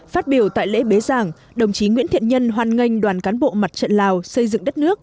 phát biểu tại lễ bế giảng đồng chí nguyễn thiện nhân hoan nghênh đoàn cán bộ mặt trận lào xây dựng đất nước